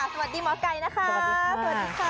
สวัสดีหมอไก่นะคะสวัสดีค่ะ